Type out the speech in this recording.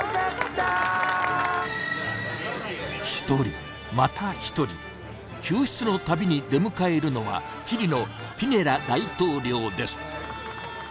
１人また１人救出のたびに出迎えるのはチリのピニェラ大統領です